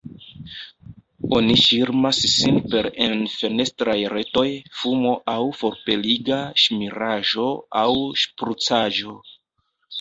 Oni ŝirmas sin per enfenestraj retoj, fumo aŭ forpeliga ŝmiraĵo aŭ ŝprucaĵo.